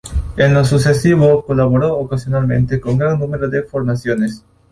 En lo sucesivo colaboró ocasionalmente con gran número de formaciones.